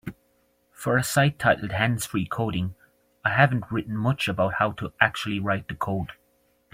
For a site titled Hands-Free Coding, I haven't written much about How To Actually Write The Code.